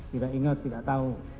tidak ingat tidak tahu